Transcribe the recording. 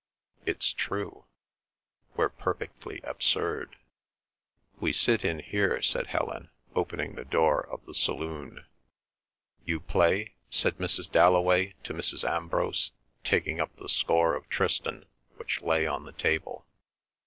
It's true. We're perfectly absurd." "We sit in here," said Helen, opening the door of the saloon. "You play?" said Mrs. Dalloway to Mrs. Ambrose, taking up the score of Tristan which lay on the table.